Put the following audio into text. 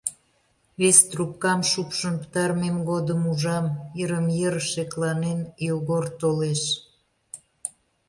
Вес трубкам шупшын пытарымем годым ужам: йырым-йыр шекланен, Йогор толеш.